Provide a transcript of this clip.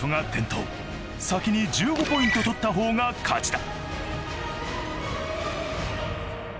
先に１５ポイント取ったほうが勝ちだ。